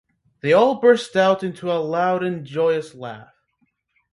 They all burst out into a loud and joyous laugh.